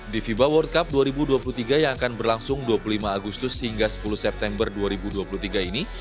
di fiba world cup dua ribu dua puluh tiga yang akan berlangsung dua puluh lima agustus hingga sepuluh september dua ribu dua puluh tiga ini